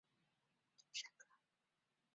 内八景位于山庄内。